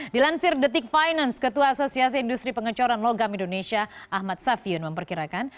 dilansir detik finance ketua asosiasi industri pengecoran logam indonesia ahmad safiun memperkirakan